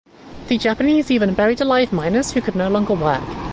The Japanese even buried alive miners who could no longer work.